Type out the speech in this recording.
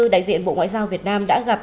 đại diện bộ ngoại giao việt nam đã gặp